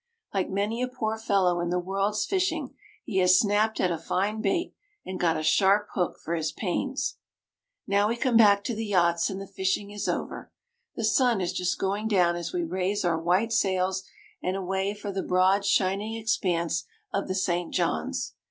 Like many a poor fellow in the world's fishing, he has snapped at a fine bait, and got a sharp hook for his pains. Now we come back to the yachts, and the fishing is over. The sun is just going down as we raise our white sails and away for the broad shining expanse of the St. John's.